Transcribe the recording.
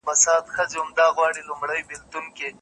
چي یې پاڼي ټولي یووړې نو ورمات یې کړل ښاخونه